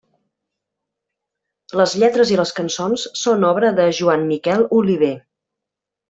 Les lletres i les cançons són obra de Joan Miquel Oliver.